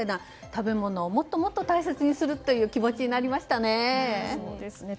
食べ物をもっともっと大切にする気持ちになりましたね。